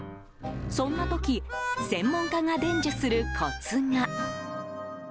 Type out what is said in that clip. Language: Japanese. そんな時専門家が伝授するコツが。